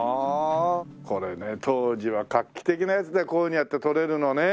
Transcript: これね当時は画期的なやつでこういうふうにやって撮れるのね。